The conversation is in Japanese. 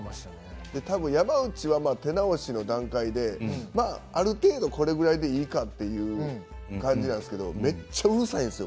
山内は手直しの段階である程度これくらいでいいかという感じなんですけどめっちゃうるさいんですよ